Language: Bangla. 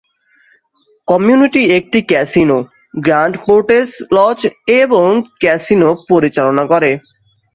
কমিউনিটি একটি ক্যাসিনো, গ্র্যান্ড পোর্টেজ লজ এবং ক্যাসিনো পরিচালনা করে।